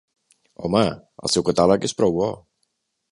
Home, el seu catàleg és prou bo!